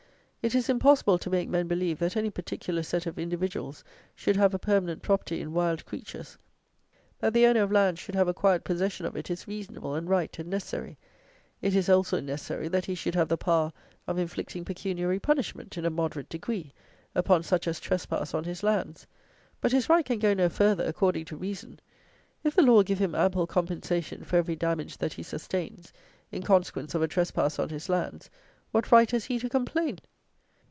It is impossible to make men believe that any particular set of individuals should have a permanent property in wild creatures. That the owner of land should have a quiet possession of it is reasonable and right and necessary; it is also necessary that he should have the power of inflicting pecuniary punishment, in a moderate degree, upon such as trespass on his lands; but his right can go no further according to reason. If the law give him ample compensation for every damage that he sustains, in consequence of a trespass on his lands, what right has he to complain?